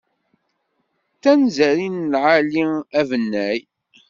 D tanzarin n aɛli abennay.